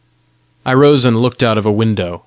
I rose and looked out of a window.